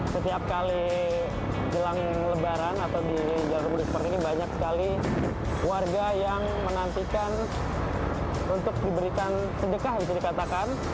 setiap kali jelang lebaran atau di jalur mudik seperti ini banyak sekali warga yang menantikan untuk diberikan sedekah bisa dikatakan